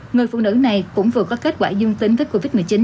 người phụ nữ này cũng vừa có kết quả dương tính với covid một mươi chín